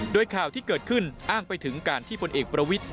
โดยข่าวที่เกิดขึ้นอ้างไปถึงการที่พลเอกประวิทธิ